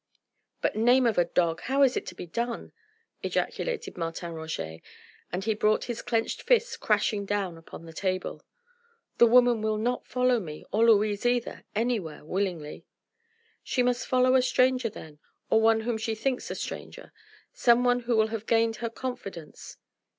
"But name of a dog! how is it to be done?" ejaculated Martin Roget, and he brought his clenched fist crashing down upon the table. "The woman will not follow me or Louise either anywhere willingly." "She must follow a stranger then or one whom she thinks a stranger some one who will have gained her confidence...."